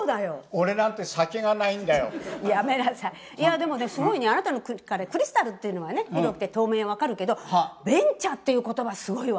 でもすごいねあなたの口から「クリスタル」っていうのはね白くて透明分かるけど「ベンチャー」っていう言葉すごいわ。